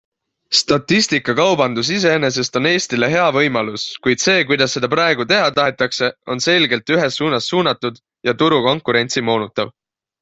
Statistikakaubandus iseenesest on Eestile hea võimalus, kuid see, kuidas seda praegu teha tahetakse, on selgelt ühes suunas suunatud ja turukonkurentsi moonutav.